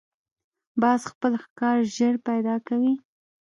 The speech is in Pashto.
باز خپل ښکار ژر پیدا کوي